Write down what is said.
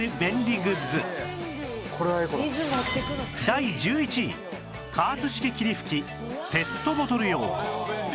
第１１位加圧式霧吹きペットボトル用